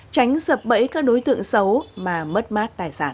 tránh sập bẫy các đối tượng xấu mà mất mát tài sản